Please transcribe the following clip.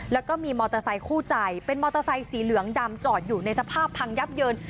แล้วก็มีมอเตอร์ไซคู่ใจเป็นมอเตอร์ไซค์สีเหลืองดำจอดอยู่ในสภาพพังยับเยิน